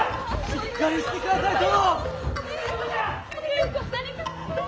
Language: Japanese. しっかりしてくだされ殿！